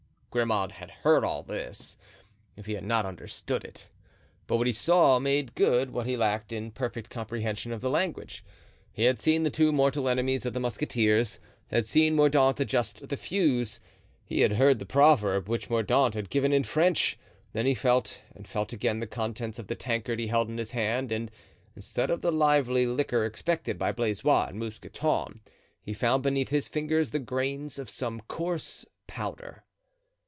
Grimaud had heard all this, if he had not understood it. But what he saw made good what he lacked in perfect comprehension of the language. He had seen the two mortal enemies of the musketeers, had seen Mordaunt adjust the fuse; he had heard the proverb, which Mordaunt had given in French. Then he felt and felt again the contents of the tankard he held in his hand; and, instead of the lively liquor expected by Blaisois and Mousqueton, he found beneath his fingers the grains of some coarse powder.